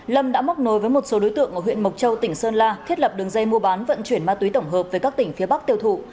lâm đã móc nối với một số đối tượng ở huyện mộc châu tỉnh sơn la thiết lập đường dây mua bán vận chuyển ma túy tổng hợp về các tỉnh phía bắc tiêu thụ